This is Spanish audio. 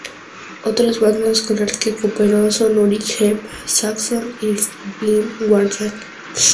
Otras bandas con el que cooperó son Uriah Heep, Saxon, y Blind Guardian.